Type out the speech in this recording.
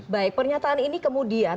baik pernyataan ini kemudian